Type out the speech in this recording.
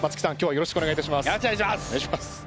よろしくお願いします。